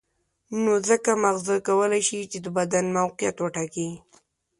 نو ځکه ماغزه کولای شي چې د بدن موقعیت وټاکي.